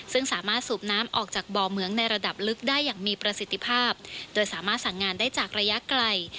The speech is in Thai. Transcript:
ซึ่งสามารถสูบน้ำออกจากบ่อเหมืองในระดับลึกได้อย่างมีประสิทธิภาพโดยสามารถสั่งงานได้จากระยะไกล